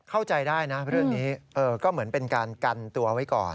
เข้าใจได้นะเรื่องนี้ก็เหมือนเป็นการกันตัวไว้ก่อน